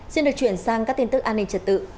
xin được chuyển sang các tin tức an ninh trật tự